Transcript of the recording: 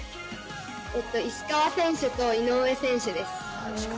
石川選手と井上選手です。